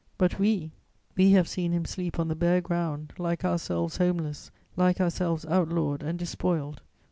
"But we, we have seen him sleep on the bare ground, like ourselves homeless, like ourselves outlawed and despoiled.